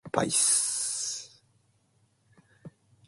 How well this worked in practice is not stated.